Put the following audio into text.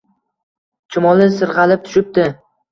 Chumoli sirg’alib tushibdi-